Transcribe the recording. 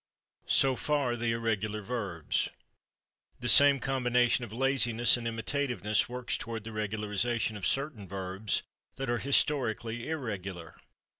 So far the irregular verbs. The same combination of laziness and imitativeness works toward the regularization of certain verbs that are historically irregular.